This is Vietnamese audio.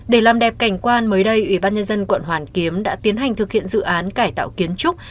để làm đẹp cảnh quan mới đây ủy ban nhân dân quận hoàn kiếm đã tiến hành thực hiện dự án cải tạo kiến trúc